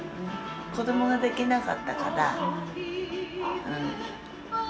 子どもができなかったから。